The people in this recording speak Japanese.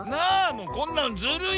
もうこんなのずるい。